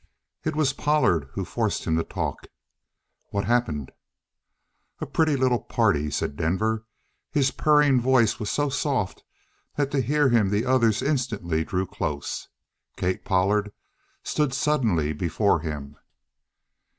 It was Pollard who forced him to talk. "What happened?" "A pretty little party," said Denver. His purring voice was so soft that to hear him the others instantly drew close. Kate Pollard stood suddenly before him.